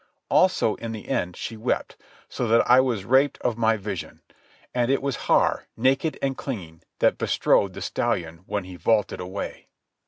Also, in the end she wept, so that I was raped of my vision, and it was Har, naked and clinging, that bestrode the stallion when he vaulted away.